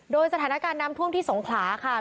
โดยสถานการณ์น้ำท่วมที่สงขลาค่ะ